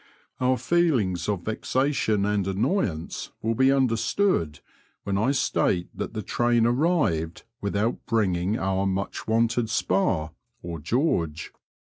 Our feelings of vexation and annoyance will be under stood when I state that the train arrived without bringing our much wanted spar or George.